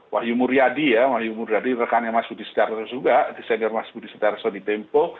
wahyu muryadi ya wahyu muryadi rekannya mas budi setiarto juga desainer mas budi setiarso di tempo